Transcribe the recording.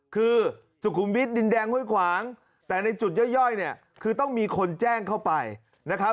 คือสุขุมวิทย์ดินแดงห้วยขวางแต่ในจุดย่อยเนี่ยคือต้องมีคนแจ้งเข้าไปนะครับ